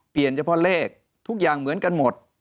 เฉพาะเลขทุกอย่างเหมือนกันหมด